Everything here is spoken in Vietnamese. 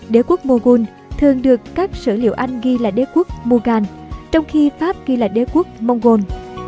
đế quốc mughun thường được các sở liệu anh ghi là đế quốc mughan trong khi pháp ghi là đế quốc mongol